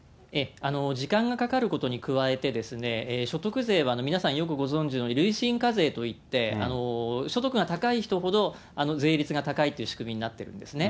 時間がかかることに加えて、所得税は皆さんよくご存じのように、累進課税といって、所得が高い人ほど税率が高いという仕組みになってるんですね。